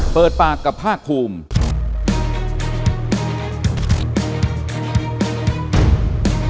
เปิดปากกับภาคภูมิ